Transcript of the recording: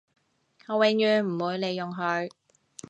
我永遠唔會利用佢